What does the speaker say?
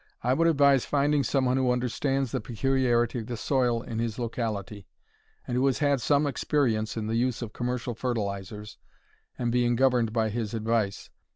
I would advise finding some one who understands the peculiarity of the soil in his locality, and who has had some experience in the use of commercial fertilizers, and being governed by his advice.